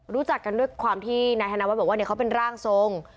รู้จักกันด้วยความที่นายธนวัฒน์บอกว่าเขาเป็นร่างทรง